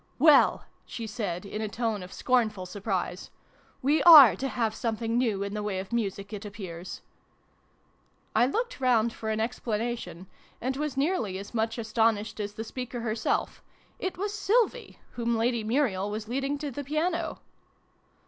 " Well !" she said in a tone of scornful surprise. " We are to have something new in the way of music, it appears !" I looked round for an explanation, and was nearly as much astonished as the speaker her self : it was Sylvie whom Lady Muriel was leading to the piano